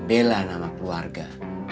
pembelan sama keluarga